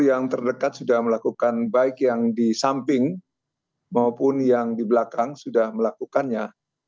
yang terdekat sudah melakukan baik yang di samping maupun yang di belakang sudah melakukannya